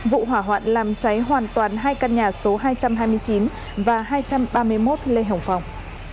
vụ hỏa hoạn làm cháy hoàn toàn hai căn nhà số hai trăm hai mươi chín và hai trăm ba mươi một lê hồng phong